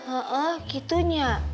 oh oh gitunya